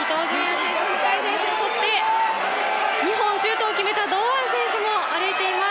２本シュートを決めた堂安選手も歩いています。